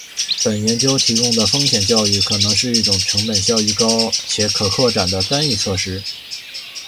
本研究提供的风险教育可能是一种成本效益高且可扩展的干预措施